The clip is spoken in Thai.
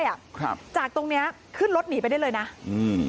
ครับจากตรงเนี้ยขึ้นรถหนีไปได้เลยนะอืม